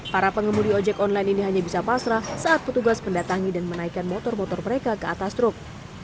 para pengemudi ojek online ini hanya bisa pasrah saat petugas mendatangi dan menaikkan motor motor mereka ke atas truk